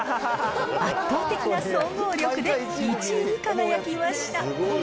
圧倒的な総合力で１位に輝きました。